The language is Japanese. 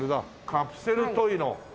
カプセルトイの。